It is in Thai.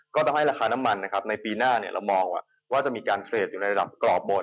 ก็ต้องให้ราคาน้ำมันนะครับในปีหน้าเรามองว่าจะมีการเทรดอยู่ในระดับกรอบหมด